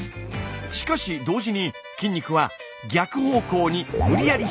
しかし同時に筋肉は逆方向に無理やり引き伸ばされます。